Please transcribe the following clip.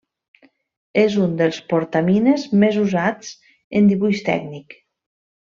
És un dels portamines més usats en dibuix tècnic.